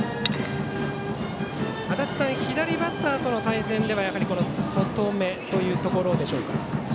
足達さん、左バッターとの対戦では外めというところでしょうか。